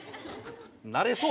なれそう。